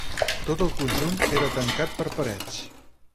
Tot el conjunt era tancat per parets.